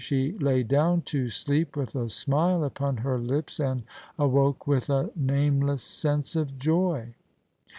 She lay down to sleep with a smile upon her lips, and awoke with a nameless sense of joy.